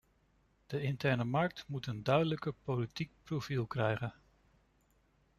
De interne markt moet een duidelijker politiek profiel krijgen.